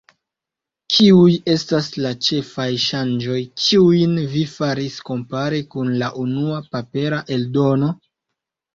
Kiuj estas la ĉefaj ŝanĝoj, kiujn vi faris kompare kun la unua papera eldono?